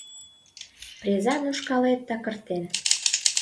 Презан ушкалет такыртен.